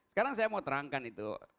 sekarang saya mau terangkan itu